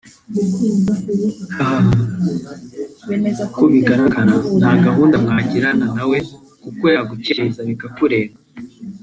hhhh ukobigaragara ntagahunda wajyirana na we kuko yagukereza bikakaurenga